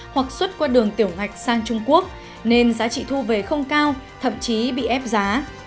hoặc xuất qua đường tiểu ngạch sang trung quốc nên giá trị thu về không cao thậm chí bị ép giá